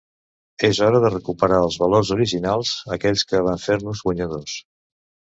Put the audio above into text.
És hora de recuperar els valors originals, aquells que van fer-nos guanyadors.